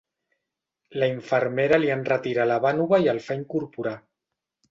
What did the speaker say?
La infermera li enretira la vànova i el fa incorporar.